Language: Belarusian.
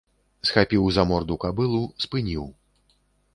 Схапіў за морду кабылу, спыніў.